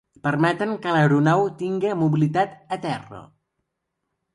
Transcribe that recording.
Permeten que l'aeronau tinga mobilitat a terra.